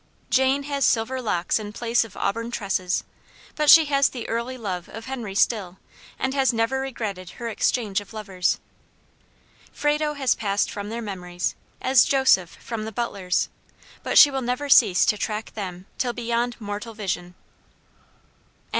Jane has silver locks in place of auburn tresses, but she has the early love of Henry still, and has never regretted her exchange of lovers. Frado has passed from their memories, as Joseph from the butler's, but she will never cease to track them till beyond mortal vision. APPENDIX.